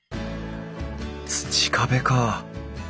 土壁か。